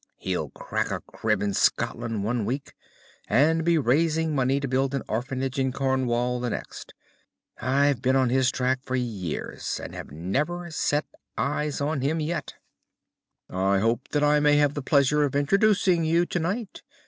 He'll crack a crib in Scotland one week, and be raising money to build an orphanage in Cornwall the next. I've been on his track for years and have never set eyes on him yet." "I hope that I may have the pleasure of introducing you to night.